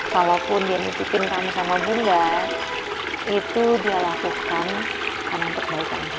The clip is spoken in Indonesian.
kalaupun dia nusipin kami sama bunda itu dia lakukan karena perbaikan